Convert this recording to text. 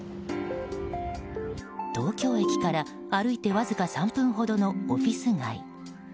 東京駅から歩いてわずか３分ほどのオフィス街。